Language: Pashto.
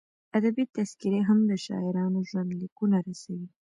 ادبي تذکرې هم د شاعرانو ژوندلیکونه رسوي.